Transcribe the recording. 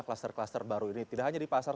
kluster kluster baru ini tidak hanya di pasar